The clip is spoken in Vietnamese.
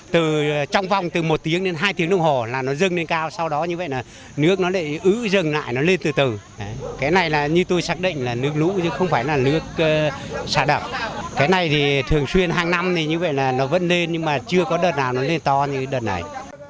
từ trong vòng từ một tiếng đến hai tiếng đồng hồ là nó dâng lên cao sau đó như vậy là nước nó lại ứ dừng lại nó lên từ từ cái này là như tôi xác định là nước lũ chứ không phải là nước xả đập cái này thì thường xuyên hàng năm thì như vậy là nó vẫn lên nhưng mà chưa có đợt nào nó lên to như đợt này